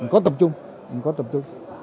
có tập trung có tập trung